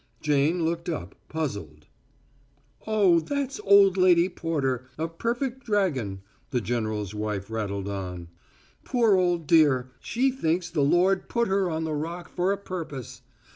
Jane looked up, puzzled. "Oh, that's old Lady Porter a perfect dragon," the general's wife rattled on. "Poor old dear; she thinks the Lord put her on the Rock for a purpose.